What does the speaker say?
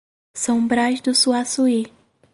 São Brás do Suaçuí